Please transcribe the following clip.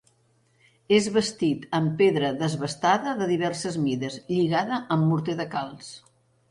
És bastit amb pedra desbastada de diverses mides, lligada amb morter de calç.